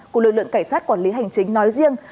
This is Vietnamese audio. của lực lượng cảnh sát quản lý hành chính nói riêng